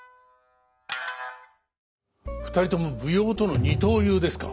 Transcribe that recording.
二人とも舞踊との二刀流ですか。